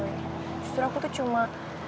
justru aku tuh cuma